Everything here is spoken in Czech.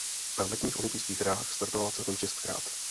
Na letních olympijských hrách startovala celkem šestkrát.